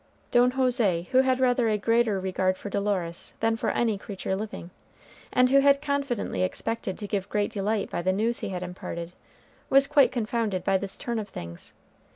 Don José, who had rather a greater regard for Dolores than for any creature living, and who had confidently expected to give great delight by the news he had imparted, was quite confounded by this turn of things.